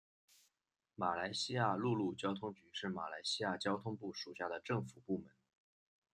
马来西亚陆路交通局是马来西亚交通部属下的政府部门。